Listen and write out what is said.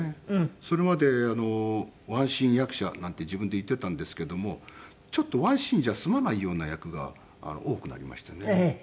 それまで１シーン役者なんて自分で言っていたんですけどもちょっと１シーンじゃ済まないような役が多くなりましてね。